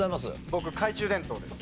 僕懐中電灯です。